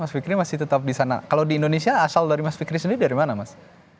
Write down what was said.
mas fikri masih tetap di sana kalau di indonesia asal dari mas fikri sendiri dari mana mas